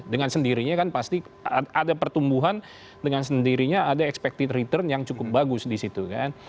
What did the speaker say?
dengan sendirinya kan pasti ada pertumbuhan dengan sendirinya ada expected return yang cukup bagus di situ kan